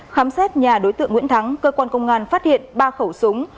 khám xét nhà đối tượng nguyễn thắng cơ quan công an phát hiện ba khẩu súng